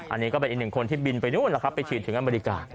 อันนี้ก็เป็นอีกหนึ่งคนที่บินไปนู่นแล้วครับไปฉีดถึงอเมริกา